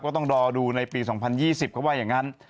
ต้องรอดูในปี๒๐๒๐เขาว่าอย่างนั้น